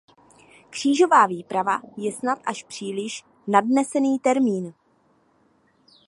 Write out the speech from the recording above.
Křížová výprava je snad až příliš nadnesený termín.